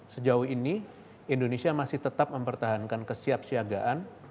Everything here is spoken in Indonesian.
sejauh ini indonesia masih tetap mempertahankan kesiapsiagaan